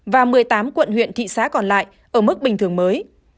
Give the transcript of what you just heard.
và một mươi tám quận huyện thị xã còn lại ở mức bình thường mới